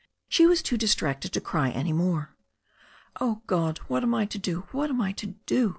She was too distracted to cry any more. "Oh, God! What am I to do, what am I to do?"